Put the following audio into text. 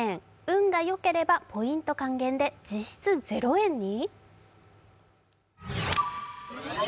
運がよければポイント還元で実質ゼロ円に？